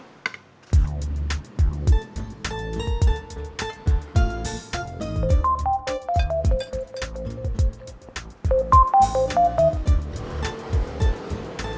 iya terima kasih